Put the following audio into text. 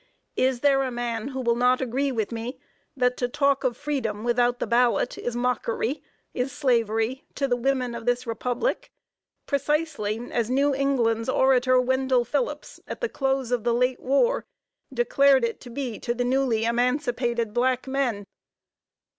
Is there a man who will not agree with me, that to talk of freedom without the ballot, is mockery is slavery to the women of this Republic, precisely as New England's orator Wendell Phillips, at the close of the late war, declared it to be to the newly emancipated black men?